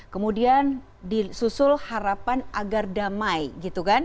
kemudian disusul harapan agar damai gitu kan